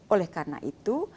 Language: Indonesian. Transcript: oleh karena itu